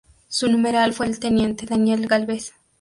Su numeral fue el teniente Daniel Gálvez.